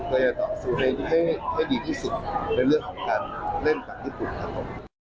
จะต่อสู้เพลงให้ดีที่สุดในเรื่องของการเล่นกับญี่ปุ่นครับผม